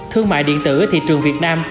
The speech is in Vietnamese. thương mại điện tử ở thị trường việt nam